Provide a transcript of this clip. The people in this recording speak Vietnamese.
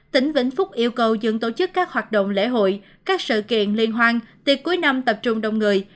tỉnh vĩnh phúc yêu cầu dừng tổ chức các hoạt động lễ hội các sự kiện liên hoan tiệc cuối năm tập trung đông người